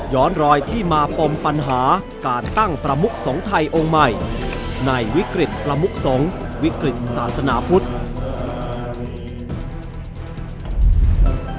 รอยที่มาปมปัญหาการตั้งประมุกสงฆ์ไทยองค์ใหม่ในวิกฤตประมุกสงฆ์วิกฤตศาสนาพุทธ